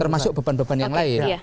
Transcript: termasuk beban beban yang lain